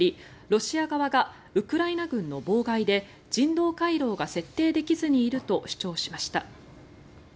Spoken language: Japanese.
ロシア側がウクライナ軍の妨害で人道回廊が設定できずにいると主張しました。